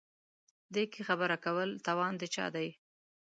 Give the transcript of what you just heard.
دې کې خبره کول توان د چا دی.